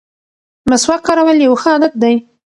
مسواک کارول یو ښه عادت دی.